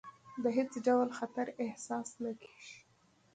د هېڅ ډول خطر احساس نه کېږي.